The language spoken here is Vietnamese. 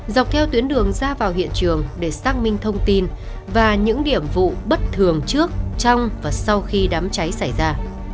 dọc theo tuyến đường ra vào hiện trường để xác minh thông tin và những điểm vụ bất thường trước trong và sau khi đám cháy xảy ra